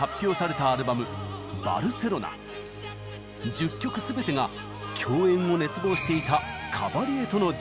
１０曲すべてが共演を熱望していたカバリエとのデュエット。